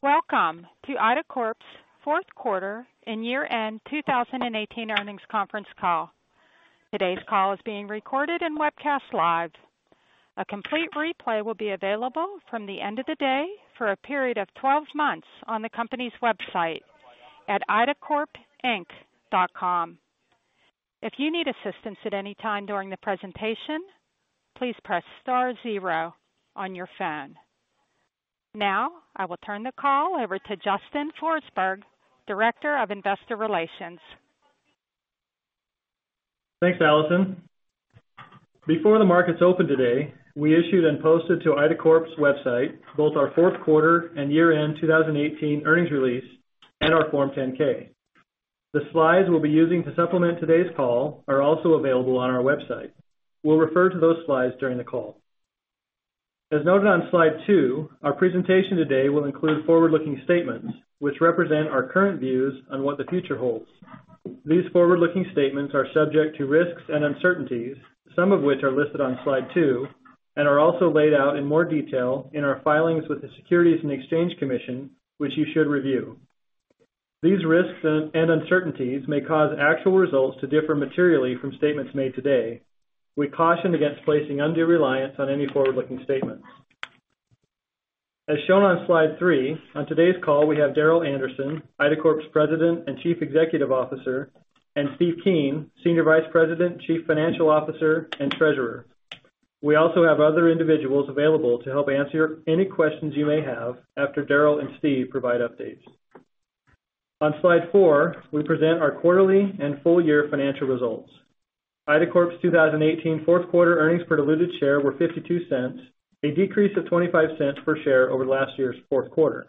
Welcome to IDACORP's fourth quarter and year-end 2018 earnings conference call. Today's call is being recorded and webcast live. A complete replay will be available from the end of the day for a period of 12 months on the company's website at idacorpinc.com. If you need assistance at any time during the presentation, please press star zero on your phone. I will now turn the call over to Justin Forsberg, Director of Investor Relations. Thanks, Allison. Before the markets opened today, we issued and posted to IDACORP's website both our fourth quarter and year-end 2018 earnings release and our Form 10-K. The slides we'll be using to supplement today's call are also available on our website. We'll refer to those slides during the call. As noted on slide two, our presentation today will include forward-looking statements which represent our current views on what the future holds. These forward-looking statements are subject to risks and uncertainties, some of which are listed on slide two, and are also laid out in more detail in our filings with the Securities and Exchange Commission, which you should review. These risks and uncertainties may cause actual results to differ materially from statements made today. We caution against placing undue reliance on any forward-looking statements. As shown on slide three, on today's call, we have Darrel Anderson, IDACORP's President and Chief Executive Officer, and Steve Keen, Senior Vice President, Chief Financial Officer, and Treasurer. We also have other individuals available to help answer any questions you may have after Darrel and Steve provide updates. On slide four, we present our quarterly and full-year financial results. IDACORP's 2018 fourth quarter earnings per diluted share were $0.52, a decrease of $0.25 per share over last year's fourth quarter.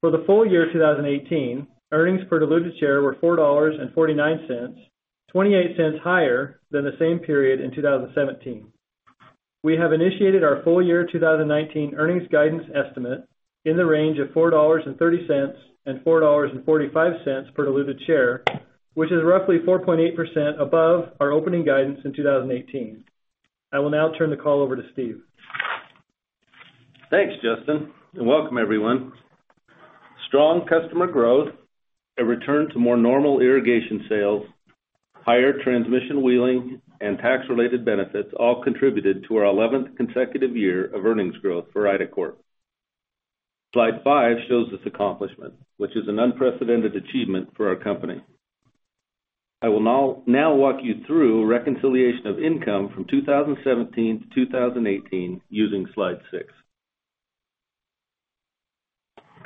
For the full year 2018, earnings per diluted share were $4.49, $0.28 higher than the same period in 2017. We have initiated our full-year 2019 earnings guidance estimate in the range of $4.30 and $4.45 per diluted share, which is roughly 4.8% above our opening guidance in 2018. I will now turn the call over to Steve. Thanks, Justin, and welcome everyone. Strong customer growth, a return to more normal irrigation sales, higher transmission wheeling, and tax-related benefits all contributed to our 11th consecutive year of earnings growth for IDACORP. Slide five shows this accomplishment, which is an unprecedented achievement for our company. I will now walk you through reconciliation of income from 2017 to 2018 using slide six.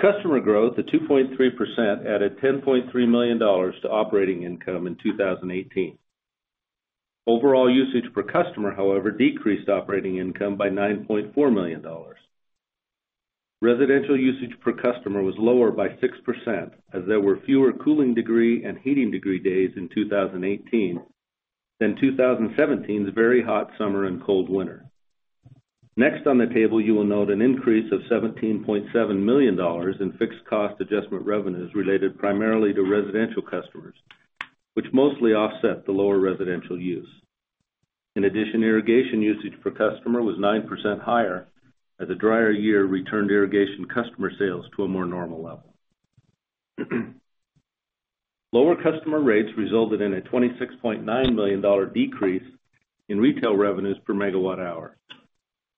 Customer growth of 2.3% added $10.3 million to operating income in 2018. Overall usage per customer, however, decreased operating income by $9.4 million. Residential usage per customer was lower by 6%, as there were fewer cooling degree and heating degree days in 2018 than 2017's very hot summer and cold winter. Next on the table, you will note an increase of $17.7 million in fixed cost adjustment revenues related primarily to residential customers, which mostly offset the lower residential use. In addition, irrigation usage per customer was 9% higher as the drier year returned irrigation customer sales to a more normal level. Lower customer rates resulted in a $26.9 million decrease in retail revenues per megawatt hour.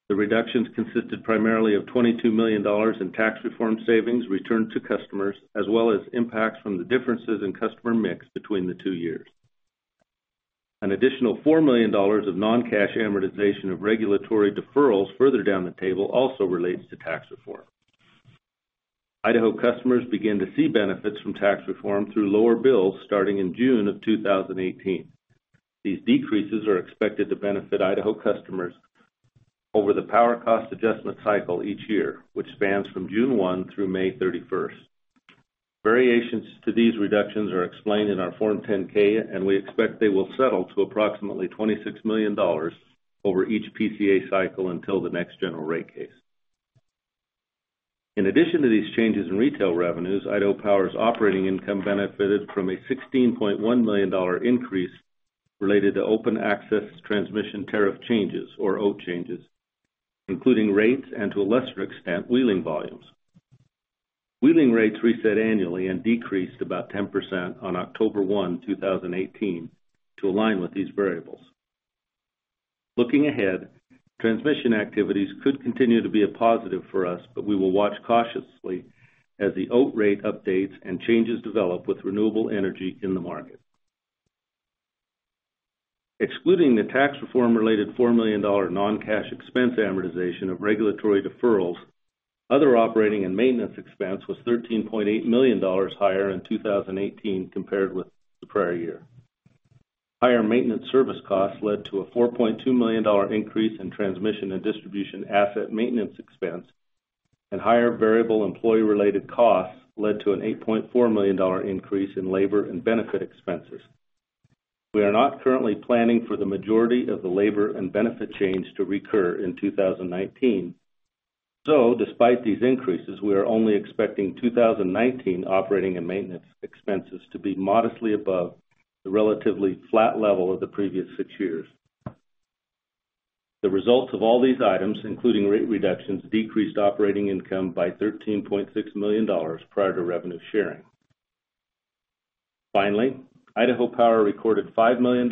The reductions consisted primarily of $22 million in tax reform savings returned to customers, as well as impacts from the differences in customer mix between the two years. An additional $4 million of non-cash amortization of regulatory deferrals further down the table also relates to tax reform. Idaho customers began to see benefits from tax reform through lower bills starting in June of 2018. These decreases are expected to benefit Idaho customers over the power cost adjustment cycle each year, which spans from June 1 through May 31st. Variations to these reductions are explained in our Form 10-K. We expect they will settle to approximately $26 million over each PCA cycle until the next general rate case. In addition to these changes in retail revenues, Idaho Power's operating income benefited from a $16.1 million increase related to open access transmission tariff changes, or OATT changes, including rates and to a lesser extent, wheeling volumes. Wheeling rates reset annually and decreased about 10% on October 1, 2018, to align with these variables. Looking ahead, transmission activities could continue to be a positive for us. We will watch cautiously as the OATT rate updates and changes develop with renewable energy in the market. Excluding the tax reform-related $4 million non-cash expense amortization of regulatory deferrals, other operating and maintenance expense was $13.8 million higher in 2018 compared with the prior year. Higher maintenance service costs led to a $4.2 million increase in transmission and distribution asset maintenance expense, and higher variable employee-related costs led to an $8.4 million increase in labor and benefit expenses. We are not currently planning for the majority of the labor and benefit change to recur in 2019. Despite these increases, we are only expecting 2019 operating and maintenance expenses to be modestly above the relatively flat level of the previous six years. The results of all these items, including rate reductions, decreased operating income by $13.6 million prior to revenue sharing. Finally, Idaho Power recorded $5 million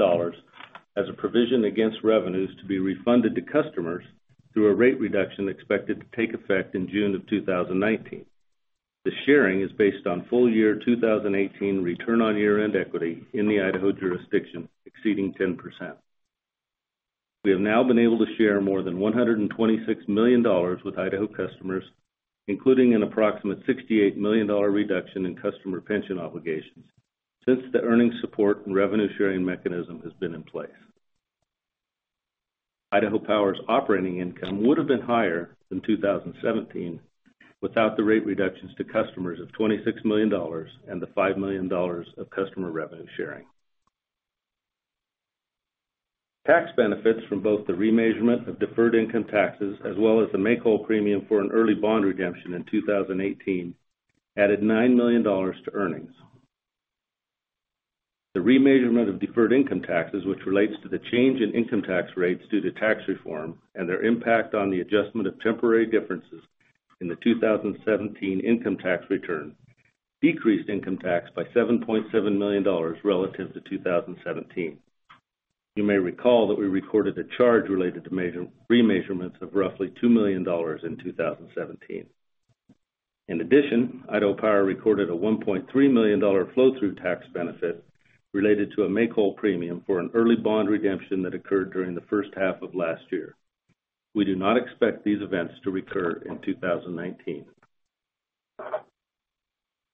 as a provision against revenues to be refunded to customers through a rate reduction expected to take effect in June of 2019. The sharing is based on full year 2018 return on year-end equity in the Idaho jurisdiction exceeding 10%. We have now been able to share more than $126 million with Idaho customers, including an approximate $68 million reduction in customer pension obligations, since the earnings support and revenue-sharing mechanism has been in place. Idaho Power's operating income would have been higher in 2017 without the rate reductions to customers of $26 million and the $5 million of customer revenue sharing. Tax benefits from both the remeasurement of deferred income taxes as well as the make-whole premium for an early bond redemption in 2018 added $9 million to earnings. The remeasurement of deferred income taxes, which relates to the change in income tax rates due to tax reform and their impact on the adjustment of temporary differences in the 2017 income tax return, decreased income tax by $7.7 million relative to 2017. You may recall that we recorded a charge related to remeasurements of roughly $2 million in 2017. In addition, Idaho Power recorded a $1.3 million flow-through tax benefit related to a make-whole premium for an early bond redemption that occurred during the first half of last year. We do not expect these events to recur in 2019.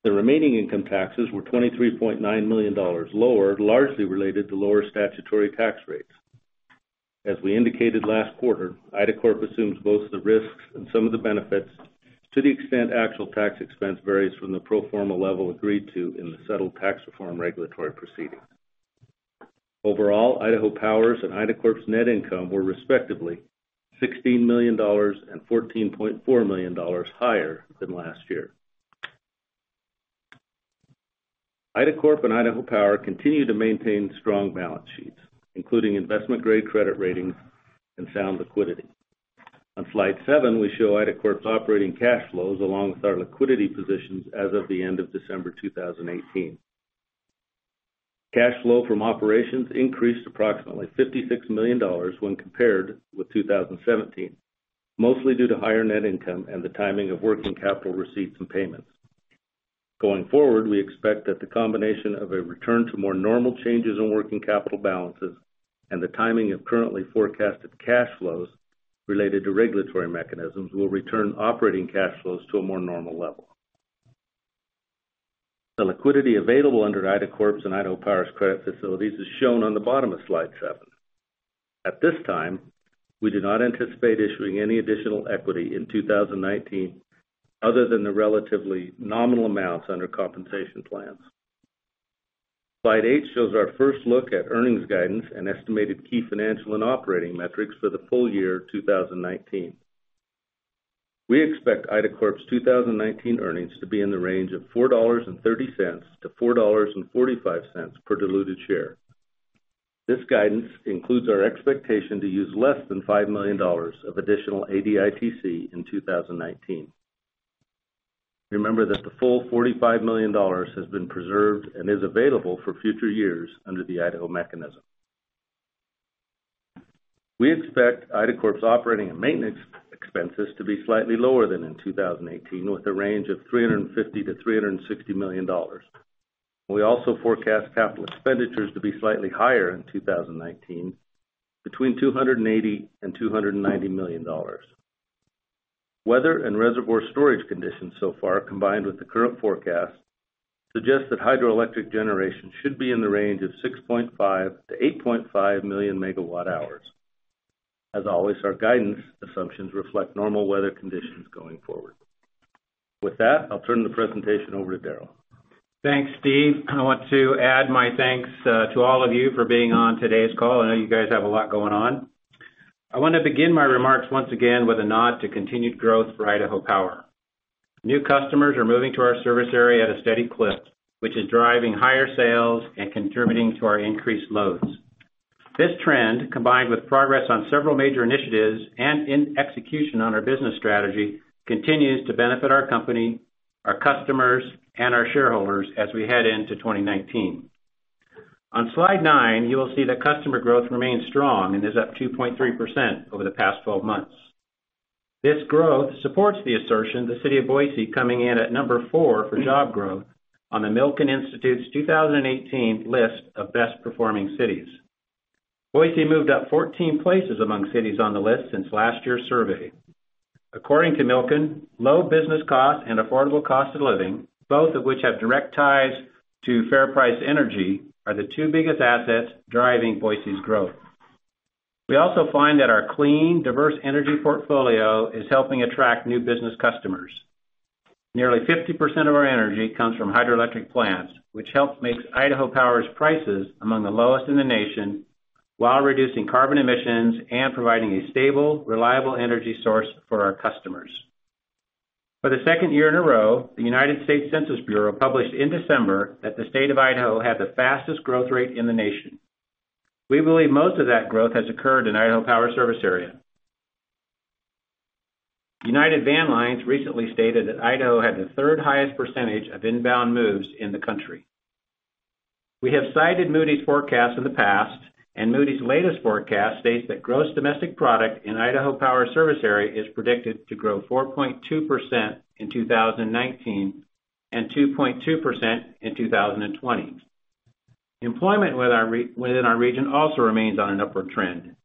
The remaining income taxes were $23.9 million lower, largely related to lower statutory tax rates. As we indicated last quarter, IDACORP assumes both the risks and some of the benefits to the extent actual tax expense varies from the pro forma level agreed to in the settled tax reform regulatory proceeding. Overall, Idaho Power's and IDACORP's net income were respectively $16 million and $14.4 million higher than last year. IDACORP and Idaho Power continue to maintain strong balance sheets, including investment-grade credit ratings and sound liquidity. On slide seven, we show IDACORP's operating cash flows along with our liquidity positions as of the end of December 2018. Cash flow from operations increased approximately $56 million when compared with 2017, mostly due to higher net income and the timing of working capital receipts and payments. Going forward, we expect that the combination of a return to more normal changes in working capital balances and the timing of currently forecasted cash flows related to regulatory mechanisms will return operating cash flows to a more normal level. The liquidity available under IDACORP's and Idaho Power's credit facilities is shown on the bottom of slide seven. At this time, we do not anticipate issuing any additional equity in 2019 other than the relatively nominal amounts under compensation plans. Slide eight shows our first look at earnings guidance and estimated key financial and operating metrics for the full year 2019. We expect IDACORP's 2019 earnings to be in the range of $4.30-$4.45 per diluted share. This guidance includes our expectation to use less than $5 million of additional ADITC in 2019. Remember that the full $45 million has been preserved and is available for future years under the Idaho mechanism. We expect IDACORP's operating and maintenance expenses to be slightly lower than in 2018, with a range of $350 million-$360 million. We also forecast capital expenditures to be slightly higher in 2019, between $280 million and $290 million. Weather and reservoir storage conditions so far, combined with the current forecast, suggest that hydroelectric generation should be in the range of 6.5 million-8.5 million megawatt hours. As always, our guidance assumptions reflect normal weather conditions going forward. With that, I'll turn the presentation over to Darrel. Thanks, Steve. I want to add my thanks to all of you for being on today's call. I know you guys have a lot going on. I want to begin my remarks once again with a nod to continued growth for Idaho Power. New customers are moving to our service area at a steady clip, which is driving higher sales and contributing to our increased loads. This trend, combined with progress on several major initiatives and in execution on our business strategy, continues to benefit our company, our customers, and our shareholders as we head into 2019. On slide nine, you will see that customer growth remains strong and is up 2.3% over the past 12 months. This growth supports the assertion the City of Boise coming in at number four for job growth on the Milken Institute's 2018 list of best-performing cities. Boise moved up 14 places among cities on the list since last year's survey. According to Milken, low business costs and affordable cost of living, both of which have direct ties to fair price energy, are the two biggest assets driving Boise's growth. We also find that our clean, diverse energy portfolio is helping attract new business customers. Nearly 50% of our energy comes from hydroelectric plants, which helps make Idaho Power's prices among the lowest in the nation while reducing carbon emissions and providing a stable, reliable energy source for our customers. For the second year in a row, the United States Census Bureau published in December that the state of Idaho had the fastest growth rate in the nation. We believe most of that growth has occurred in Idaho Power service area. United Van Lines recently stated that Idaho had the third highest percentage of inbound moves in the country. We have cited Moody's forecast in the past. Moody's latest forecast states that gross domestic product in Idaho Power service area is predicted to grow 4.2% in 2019 and 2.2% in 2020. Employment within our region also remains on an upward trend.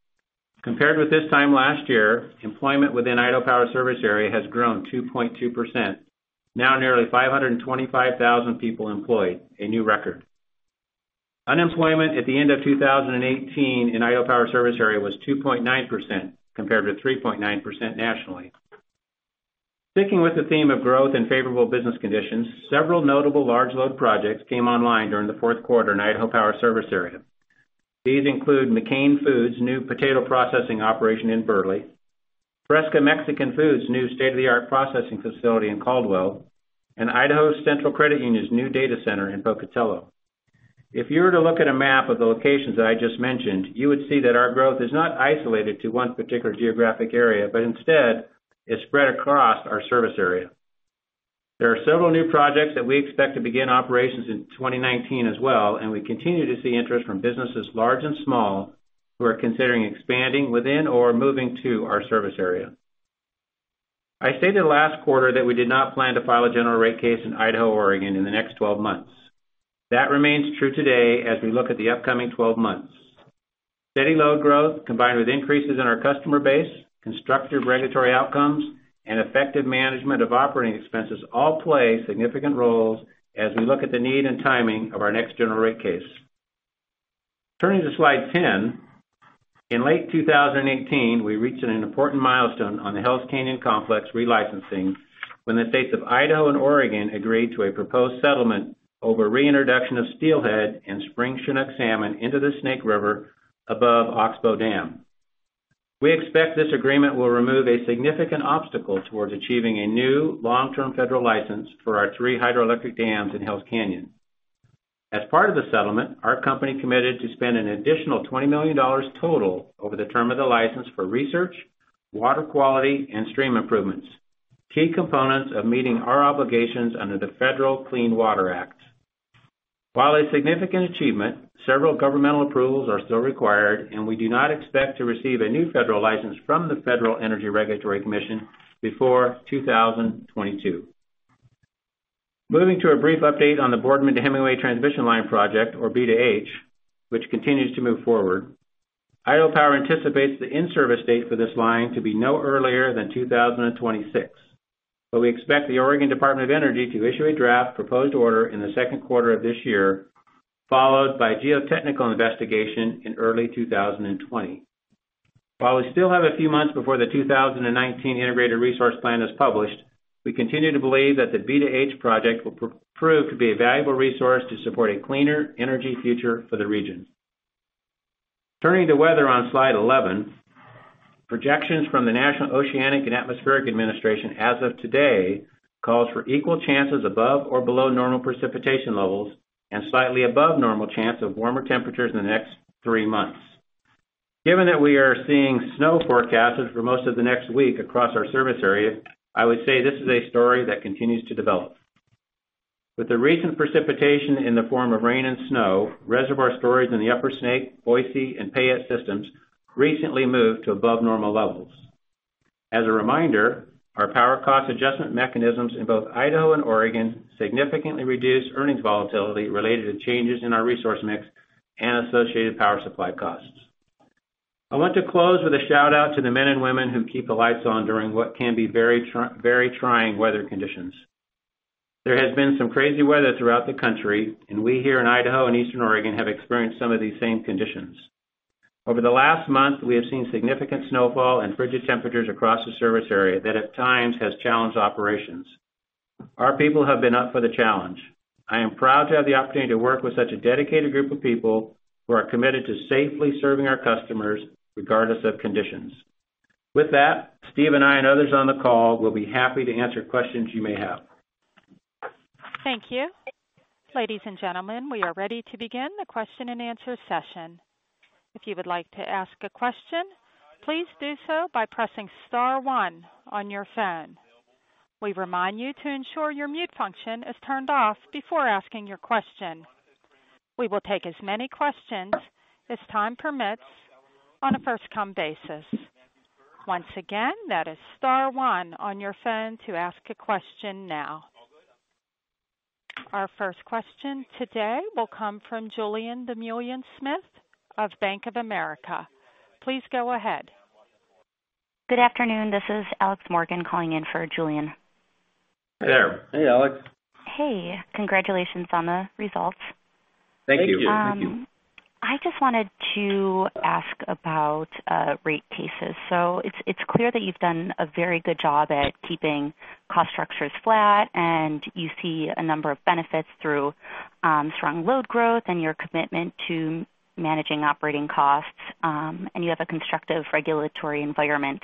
Compared with this time last year, employment within Idaho Power service area has grown 2.2%, now nearly 525,000 people employed, a new record. Unemployment at the end of 2018 in Idaho Power service area was 2.9%, compared to 3.9% nationally. Sticking with the theme of growth and favorable business conditions, several notable large load projects came online during the fourth quarter in Idaho Power service area. These include McCain Foods' new potato processing operation in Burley, Fresca Mexican Foods' new state-of-the-art processing facility in Caldwell, and Idaho Central Credit Union's new data center in Pocatello. If you were to look at a map of the locations that I just mentioned, you would see that our growth is not isolated to one particular geographic area, but instead is spread across our service area. There are several new projects that we expect to begin operations in 2019 as well. We continue to see interest from businesses large and small who are considering expanding within or moving to our service area. I stated last quarter that we did not plan to file a general rate case in Idaho, Oregon in the next 12 months. That remains true today as we look at the upcoming 12 months. Steady load growth, combined with increases in our customer base, constructive regulatory outcomes, and effective management of operating expenses all play significant roles as we look at the need and timing of our next general rate case. Turning to slide 10. In late 2018, we reached an important milestone on the Hells Canyon Complex relicensing when the states of Idaho and Oregon agreed to a proposed settlement over reintroduction of steelhead and spring Chinook salmon into the Snake River above Oxbow Dam. We expect this agreement will remove a significant obstacle towards achieving a new long-term federal license for our three hydroelectric dams in Hells Canyon. As part of the settlement, our company committed to spend an additional $20 million total over the term of the license for research, water quality, and stream improvements. Key components of meeting our obligations under the Federal Clean Water Act. While a significant achievement, several governmental approvals are still required, we do not expect to receive a new federal license from the Federal Energy Regulatory Commission before 2022. Moving to a brief update on the Boardman to Hemingway Transmission Line project, or B to H, which continues to move forward. Idaho Power anticipates the in-service date for this line to be no earlier than 2026, we expect the Oregon Department of Energy to issue a draft proposed order in the second quarter of this year, followed by geotechnical investigation in early 2020. While we still have a few months before the 2019 Integrated Resource Plan is published, we continue to believe that the B to H project will prove to be a valuable resource to support a cleaner energy future for the region. Turning to weather on slide 11. Projections from the National Oceanic and Atmospheric Administration as of today calls for equal chances above or below normal precipitation levels and slightly above normal chance of warmer temperatures in the next three months. Given that we are seeing snow forecasted for most of the next week across our service area, I would say this is a story that continues to develop. With the recent precipitation in the form of rain and snow, reservoir storage in the Upper Snake, Boise, and Payette systems recently moved to above normal levels. As a reminder, our power cost adjustment mechanisms in both Idaho and Oregon significantly reduce earnings volatility related to changes in our resource mix and associated power supply costs. I want to close with a shout-out to the men and women who keep the lights on during what can be very trying weather conditions. There has been some crazy weather throughout the country, we here in Idaho and Eastern Oregon have experienced some of these same conditions. Over the last month, we have seen significant snowfall and frigid temperatures across the service area that at times has challenged operations. Our people have been up for the challenge. I am proud to have the opportunity to work with such a dedicated group of people who are committed to safely serving our customers regardless of conditions. With that, Steve and I and others on the call will be happy to answer questions you may have. Thank you. Ladies and gentlemen, we are ready to begin the question and answer session. If you would like to ask a question, please do so by pressing star one on your phone. We remind you to ensure your mute function is turned off before asking your question. We will take as many questions as time permits on a first-come basis. Once again, that is star one on your phone to ask a question now. Our first question today will come from Julien Dumoulin-Smith of Bank of America. Please go ahead. Good afternoon. This is Alex Morgan calling in for Julien. Hey there. Hey, Alex. Hey. Congratulations on the results. Thank you. Thank you. I just wanted to ask about rate cases. It's clear that you've done a very good job at keeping cost structures flat, and you see a number of benefits through strong load growth and your commitment to managing operating costs, and you have a constructive regulatory environment.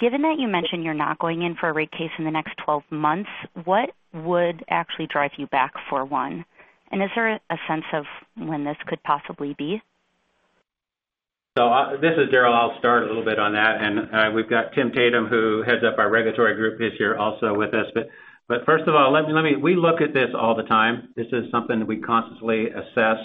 Given that you mentioned you're not going in for a rate case in the next 12 months, what would actually drive you back for one? Is there a sense of when this could possibly be? This is Darrel. I'll start a little bit on that, and we've got Tim Tatum, who heads up our regulatory group, is here also with us. First of all, we look at this all the time. This is something that we constantly assess.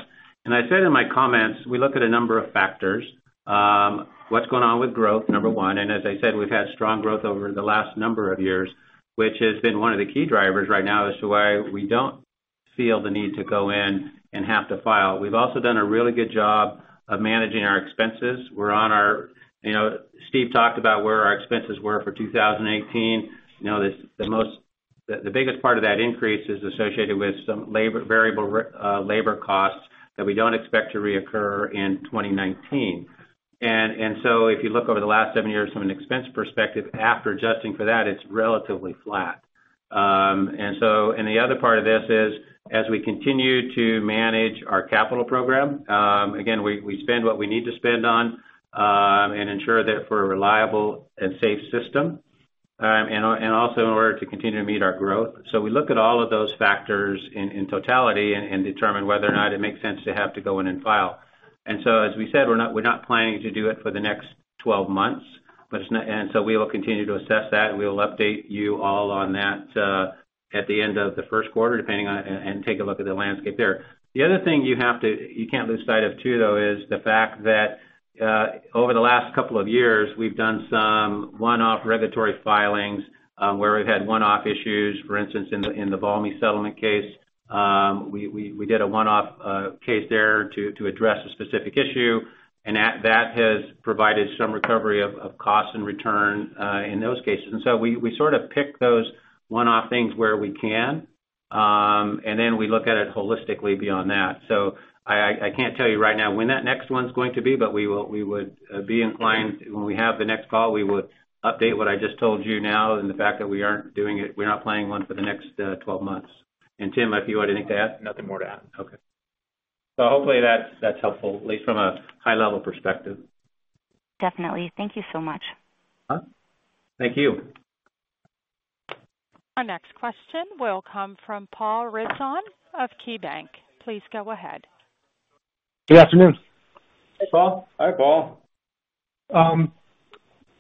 I said in my comments, we look at a number of factors. What's going on with growth, number one, as I said, we've had strong growth over the last number of years, which has been one of the key drivers right now as to why we don't feel the need to go in and have to file. We've also done a really good job of managing our expenses. Steve talked about where our expenses were for 2018. The biggest part of that increase is associated with some variable labor costs that we don't expect to reoccur in 2019. If you look over the last seven years from an expense perspective, after adjusting for that, it's relatively flat. The other part of this is, as we continue to manage our capital program, again, we spend what we need to spend on and ensure that for a reliable and safe system. Also in order to continue to meet our growth. We look at all of those factors in totality and determine whether or not it makes sense to have to go in and file. As we said, we're not planning to do it for the next 12 months. We will continue to assess that, and we will update you all on that at the end of the first quarter, depending on it, and take a look at the landscape there. The other thing you can't lose sight of, too, though, is the fact that over the last couple of years, we've done some one-off regulatory filings where we've had one-off issues. For instance, in the Valmy settlement case, we did a one-off case there to address a specific issue, and that has provided some recovery of cost and return in those cases. We sort of pick those one-off things where we can, and then we look at it holistically beyond that. I can't tell you right now when that next one's going to be, but we would be inclined, when we have the next call, we would update what I just told you now and the fact that we aren't doing it. We're not planning one for the next 12 months. Tim, have you got anything to add? Nothing more to add. Okay. Hopefully that's helpful, at least from a high-level perspective. Definitely. Thank you so much. Uh-huh. Thank you. Our next question will come from Paul Ridzon of KeyBanc. Please go ahead. Good afternoon. Hey, Paul. Hi, Paul.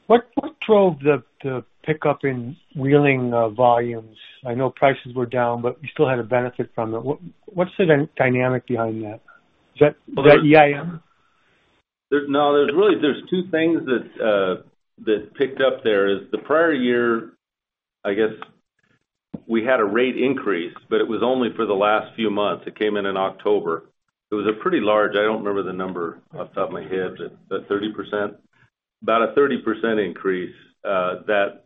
What drove the pickup in wheeling volumes? I know prices were down, but you still had a benefit from it. What's the dynamic behind that? Is that EIM? No, there's two things that picked up there. Is the prior year, I guess we had a rate increase, but it was only for the last few months. It came in in October. It was a pretty large, I don't remember the number off the top of my head. About 30%? About a 30% increase, that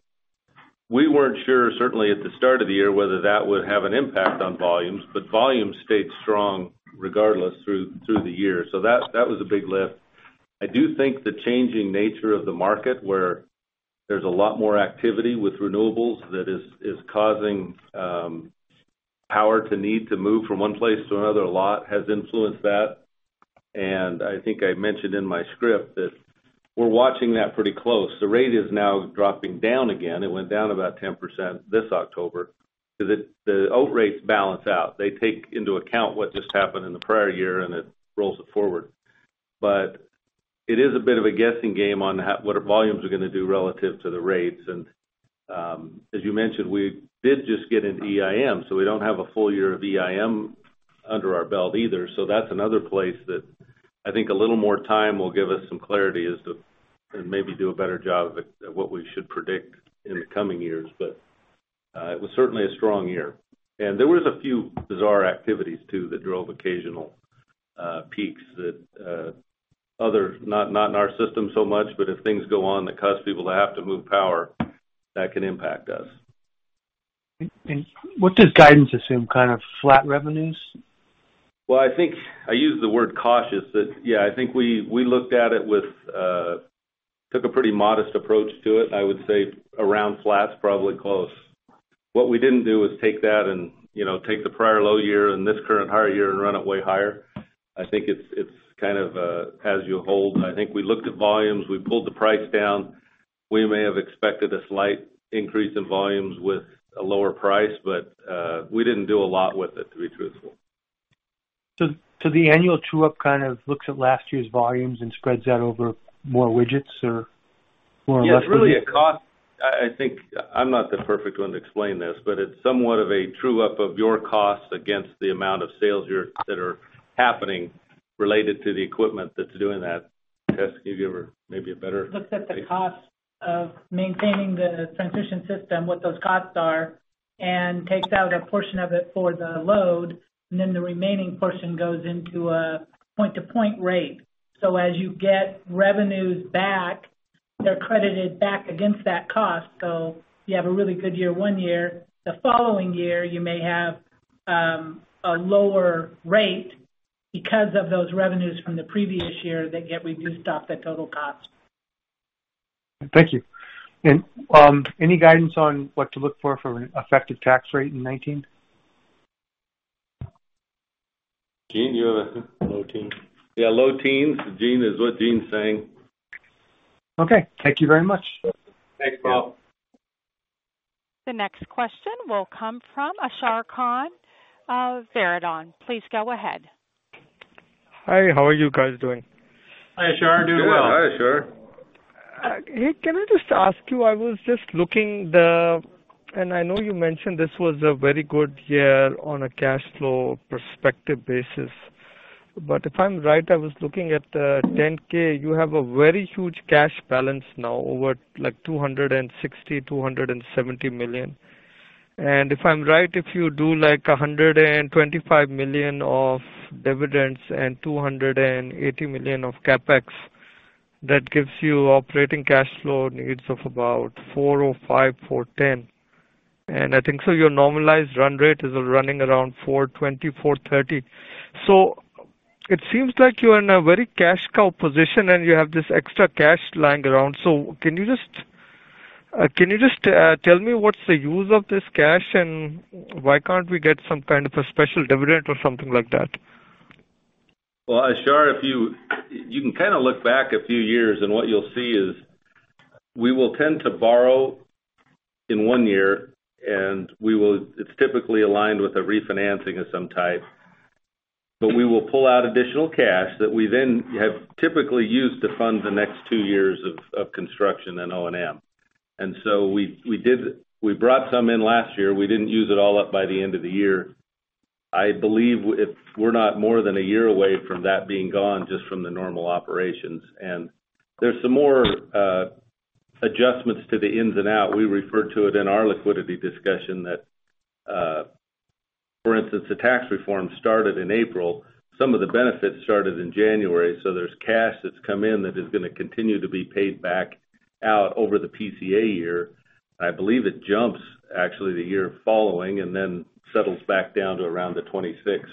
we weren't sure, certainly at the start of the year, whether that would have an impact on volumes, but volumes stayed strong regardless through the year. That was a big lift. I do think the changing nature of the market, where there's a lot more activity with renewables that is causing power to need to move from one place to another a lot, has influenced that. I think I mentioned in my script that we're watching that pretty close. The rate is now dropping down again. It went down about 10% this October because the out rates balance out. They take into account what just happened in the prior year, and it rolls it forward. It is a bit of a guessing game on what our volumes are going to do relative to the rates. As you mentioned, we did just get an EIM, so we don't have a full year of EIM under our belt either. That's another place that I think a little more time will give us some clarity and maybe do a better job at what we should predict in the coming years. It was certainly a strong year. There was a few bizarre activities, too, that drove occasional peaks that other, not in our system so much, but if things go on that cause people to have to move power, that can impact us. What does guidance assume? Kind of flat revenues? Well, I think I used the word cautious, yeah, I think we took a pretty modest approach to it. I would say around flat is probably close. What we didn't do was take that and take the prior low year and this current higher year and run it way higher. I think it's kind of as you hold. I think we looked at volumes, we pulled the price down. We may have expected a slight increase in volumes with a lower price, but we didn't do a lot with it, to be truthful. The annual true-up kind of looks at last year's volumes and spreads that over more widgets or less widgets? Yeah, it's really a cost. I'm not the perfect one to explain this, but it's somewhat of a true-up of your costs against the amount of sales that are happening related to the equipment that's doing that. Tess, can you give maybe a better- Looks at the cost of maintaining the transmission system, what those costs are, and takes out a portion of it for the load, and then the remaining portion goes into a point-to-point rate. As you get revenues back, they're credited back against that cost. You have a really good year one year. The following year, you may have a lower rate because of those revenues from the previous year that get reduced off the total cost. Thank you. Any guidance on what to look for from an effective tax rate in 2019? Gene, you have a- Low teens. Yeah, low teens. Gene, is what Gene's saying. Okay, thank you very much. Thanks, Paul. The next question will come from Ashar Khan of Verition. Please go ahead. Hi. How are you guys doing? Hi, Ashar. Doing well. Hi, Ashar. Hey, can I just ask you, I was just looking, I know you mentioned this was a very good year on a cash flow perspective basis. If I'm right, I was looking at the 10-K, you have a very huge cash balance now, over $260 million, $270 million. If I'm right, if you do, like, $125 million of dividends and $280 million of CapEx, that gives you operating cash flow needs of about $405 million, $410 million. Your normalized run rate is running around $420 million, $430 million. It seems like you are in a very cash cow position, and you have this extra cash lying around. Can you just tell me what's the use of this cash, and why can't we get some kind of a special dividend or something like that? Well, Ashar, you can kind of look back a few years, and what you'll see is we will tend to borrow in one year, and it's typically aligned with a refinancing of some type. We will pull out additional cash that we then have typically used to fund the next two years of construction and O&M. We brought some in last year. We didn't use it all up by the end of the year. I believe we're not more than a year away from that being gone just from the normal operations. There's some more adjustments to the ins and out. We refer to it in our liquidity discussion that, for instance, the tax reform started in April. Some of the benefits started in January. There's cash that's come in that is going to continue to be paid back out over the PCA year. I believe it jumps actually the year following and then settles back down to around the 2026.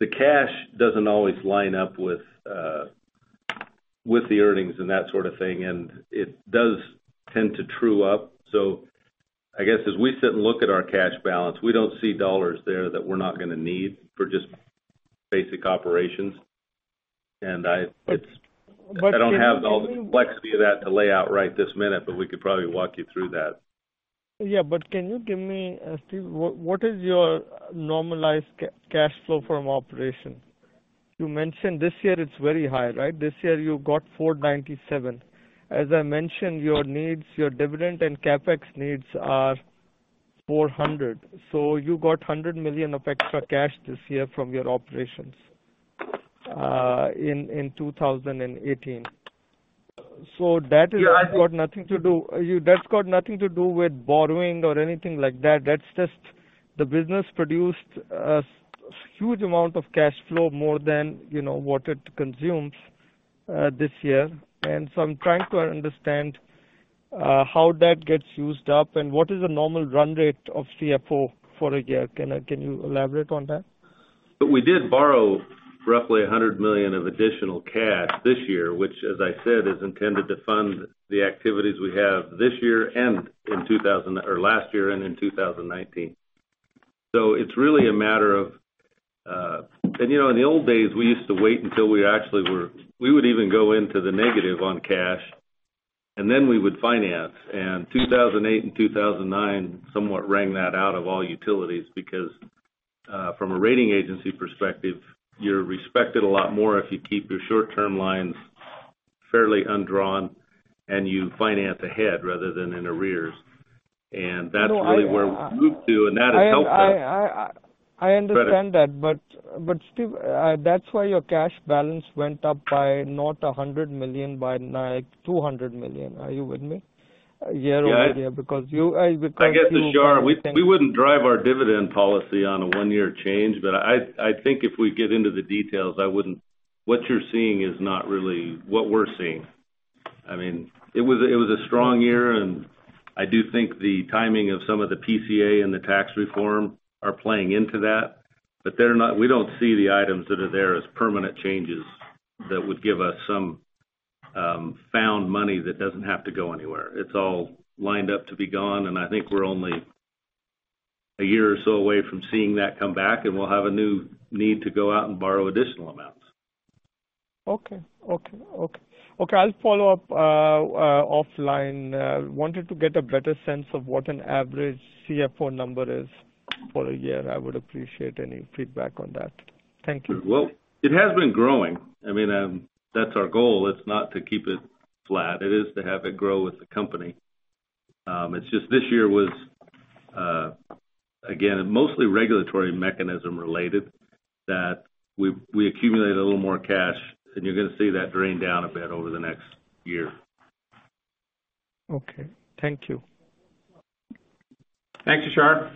The cash doesn't always line up with the earnings and that sort of thing, and it does tend to true up. I guess as we sit and look at our cash balance, we don't see dollars there that we're not going to need for just basic operations. I don't have the complexity of that to lay out right this minute, but we could probably walk you through that. Yeah. Can you give me, Steve, what is your normalized cash flow from operation? You mentioned this year it's very high, right? This year you got $497 million. As I mentioned, your needs, your dividend and CapEx needs are $400 million. You got $100 million of extra cash this year from your operations in 2018. Yeah. That's got nothing to do with borrowing or anything like that. That's just the business produced a huge amount of cash flow, more than what it consumes this year. I'm trying to understand how that gets used up and what is the normal run rate of CFO for a year. Can you elaborate on that? We did borrow roughly $100 million of additional cash this year, which, as I said, is intended to fund the activities we have this year or last year and in 2019. It's really a matter of. In the old days, we used to wait until we would even go into the negative on cash, and then we would finance. 2008 and 2009 somewhat rang that out of all utilities, because from a rating agency perspective, you're respected a lot more if you keep your short-term lines fairly undrawn and you finance ahead rather than in arrears. That's really where we moved to, and that has helped us. I understand that. Steve, that's why your cash balance went up by not $100 million, by like $200 million. Are you with me? Year-over-year. I get that, Ashar. We wouldn't drive our dividend policy on a one-year change. I think if we get into the details, what you're seeing is not really what we're seeing. It was a strong year, and I do think the timing of some of the PCA and the tax reform are playing into that. We don't see the items that are there as permanent changes that would give us some found money that doesn't have to go anywhere. It's all lined up to be gone, and I think we're only a year or so away from seeing that come back, and we'll have a new need to go out and borrow additional amounts. Okay. I'll follow up offline. I wanted to get a better sense of what an average CFO number is for a year. I would appreciate any feedback on that. Thank you. Well, it has been growing. That's our goal. It's not to keep it flat. It is to have it grow with the company. It's just this year was, again, mostly regulatory mechanism related that we accumulated a little more cash, and you're going to see that drain down a bit over the next year. Okay. Thank you. Thanks, Ashar.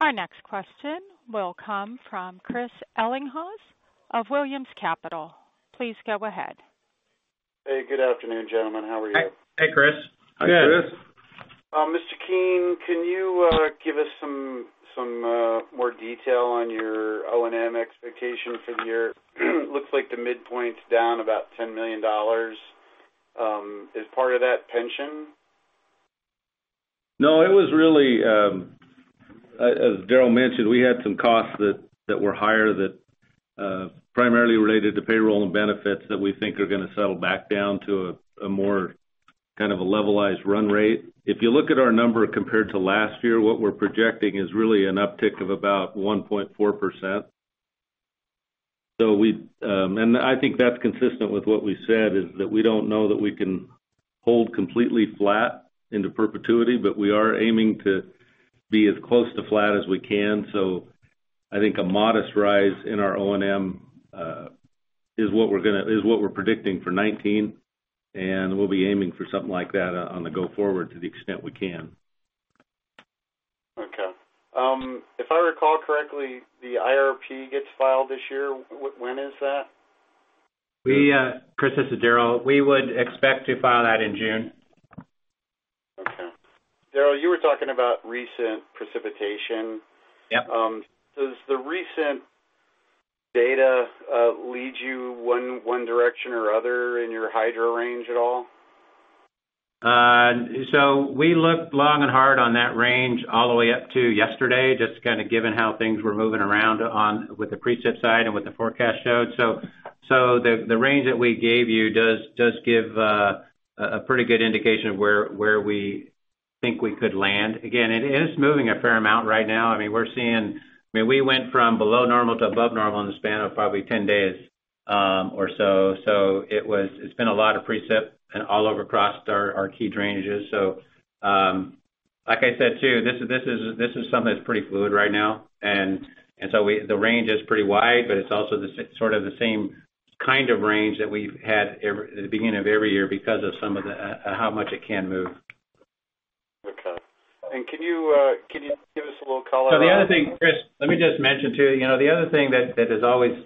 Our next question will come from Chris Ellinghaus of Williams Capital. Please go ahead. Hey, good afternoon, gentlemen. How are you? Hey, Chris. Hi, Chris. Mr. Keen, can you give us some more detail on your O&M expectation for the year. Looks like the midpoint's down about $10 million. Is part of that pension? No. It was really, as Darrel mentioned, we had some costs that were higher that primarily related to payroll and benefits that we think are going to settle back down to a more levelized run rate. If you look at our number compared to last year, what we're projecting is really an uptick of about 1.4%. I think that's consistent with what we said, is that we don't know that we can hold completely flat into perpetuity, we are aiming to be as close to flat as we can. I think a modest rise in our O&M is what we're predicting for 2019, and we'll be aiming for something like that on the go forward to the extent we can. Okay. If I recall correctly, the IRP gets filed this year. When is that? Chris, this is Darrel. We would expect to file that in June. Okay. Darrel, you were talking about recent precipitation. Yep. Does the recent data lead you one direction or other in your hydro range at all? We looked long and hard on that range all the way up to yesterday, just kind of given how things were moving around on with the precip side and what the forecast showed. The range that we gave you does give a pretty good indication of where we think we could land. Again, it is moving a fair amount right now. We went from below normal to above normal in the span of probably 10 days or so. It's been a lot of precip and all over across our key drainages. Like I said, too, this is something that's pretty fluid right now. The range is pretty wide, but it's also sort of the same kind of range that we've had at the beginning of every year because of how much it can move. Okay. Can you give us a little color on- The other thing, Chris, let me just mention, too. The other thing that is always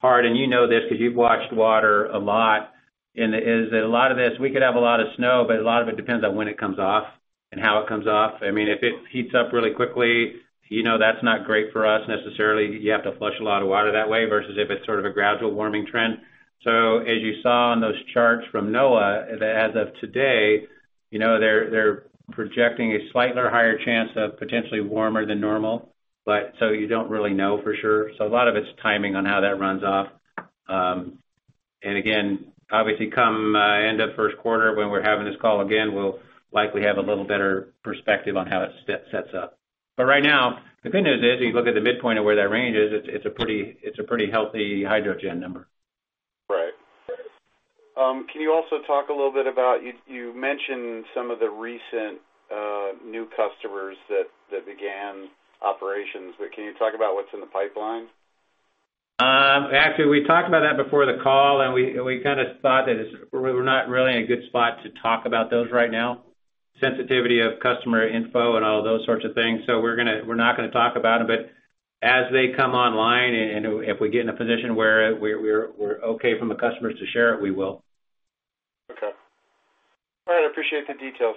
hard, and you know this because you've watched water a lot, is that a lot of this, we could have a lot of snow, a lot of it depends on when it comes off and how it comes off. If it heats up really quickly, you know that's not great for us necessarily. You have to flush a lot of water that way, versus if it's sort of a gradual warming trend. As you saw on those charts from NOAA, as of today, they're projecting a slightly higher chance of potentially warmer than normal. You don't really know for sure. A lot of it's timing on how that runs off. Again, obviously come end of first quarter when we're having this call again, we'll likely have a little better perspective on how it sets up. Right now, the good news is, you look at the midpoint of where that range is, it's a pretty healthy hydrogen number. Right. Can you also talk a little bit about, you mentioned some of the recent new customers that began operations, can you talk about what's in the pipeline? Actually, we talked about that before the call, we kind of thought that we're not really in a good spot to talk about those right now, sensitivity of customer info and all those sorts of things. We're not going to talk about them. As they come online and if we get in a position where we're okay from the customers to share it, we will. Okay. All right. I appreciate the details.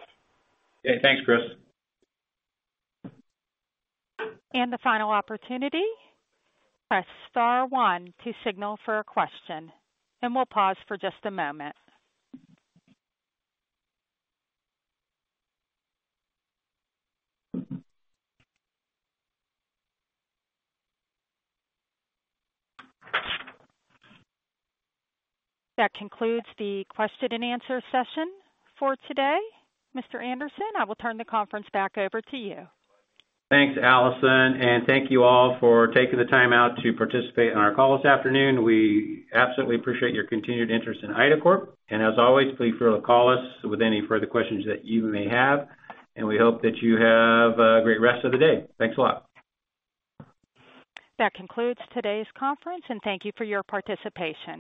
Yeah. Thanks, Chris. The final opportunity, press star one to signal for a question, we'll pause for just a moment. That concludes the question and answer session for today. Mr. Anderson, I will turn the conference back over to you. Thanks, Allison, thank you all for taking the time out to participate in our call this afternoon. We absolutely appreciate your continued interest in IDACORP. As always, please feel free to call us with any further questions that you may have. We hope that you have a great rest of the day. Thanks a lot. That concludes today's conference, and thank you for your participation.